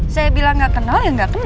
saya bilang gak kenal yang gak kenal